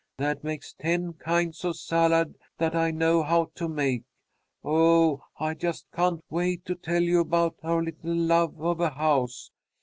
That makes ten kinds of salad that I know how to make. Oh, I just can't wait to tell you about our little love of a house!